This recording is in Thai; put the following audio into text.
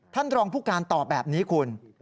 ท่านรองผู้การตอบแบบนี้คุณ